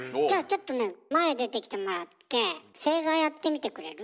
ちょっとね前出てきてもらって正座やってみてくれる？